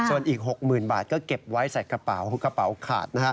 ส่วนอีก๖๐๐๐๐บาทก็เก็บไว้ใส่กระเป๋าขาดนะครับ